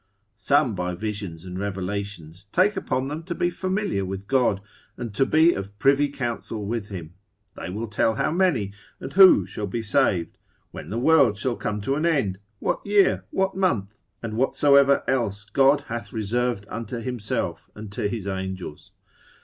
Some, by visions and revelations, take upon them to be familiar with God, and to be of privy council with him; they will tell how many, and who shall be saved, when the world shall come to an end, what year, what month, and whatsoever else God hath reserved unto himself, and to his angels.